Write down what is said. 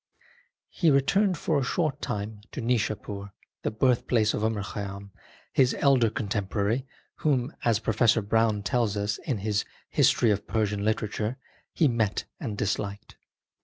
He returned for a short time to Nishapur, the birthplace of Omar Khayyam, his elder contemporary, whom, as Professor Browne tells us in his History of Persian Literature, he met and disliked.